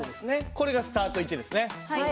これがスタート位置ですね。